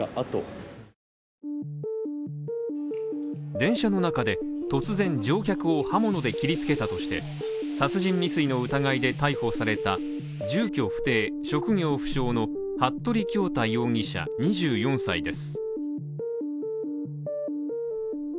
電車の中で突然乗客を刃物で切りつけたとして殺人未遂の疑いで逮捕された住居不定、職業不詳の服部恭太容疑者２４歳です